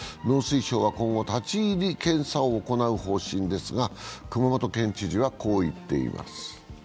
農水省は今後、立ち入り検査を行う方針ですが、熊本県知事はこう言っています。